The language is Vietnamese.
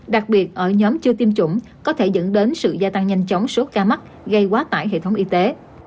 đặc biệt ở nhóm chưa tiêm chủng có thể dẫn đến sự gia tăng nhanh chóng số ca mắc gây quá tải hệ thống y tế